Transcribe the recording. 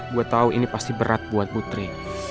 gue tahu ini pasti berat buat putri